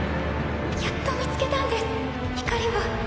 やっと見つけたんです光を。